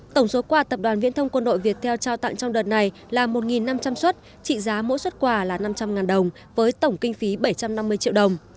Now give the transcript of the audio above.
tổng số quà tập đoàn viễn thông quân đội việt theo trao tặng trong đợt này là một năm trăm linh xuất trị giá mỗi xuất quà là năm trăm linh đồng với tổng kinh phí bảy trăm năm mươi triệu đồng